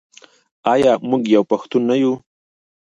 آیا موږ یو پښتون نه یو؟